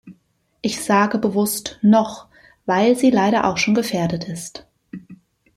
Ich sage bewusst "noch", weil sie leider auch schon gefährdet ist.